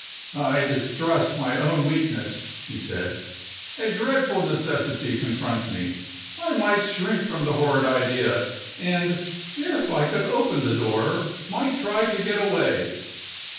"I distrust my own weakness," he said. "A dreadful necessity confronts me I might shrink from the horrid idea, and, if I could open the door, might try to get away.